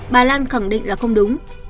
bà lan khẳng định là không đúng